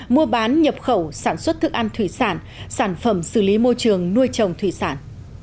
mua bán nhập khẩu sản xuất thức ăn thủy sản sản phẩm xử lý môi trường nuôi trồng thủy sản